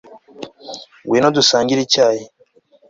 ngwino dusangire icyayi